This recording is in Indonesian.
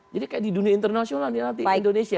jadi kayak di dunia internasional nih nanti indonesia